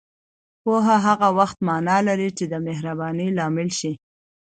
پوهه هغه وخت معنا لري چې دمهربانۍ لامل شي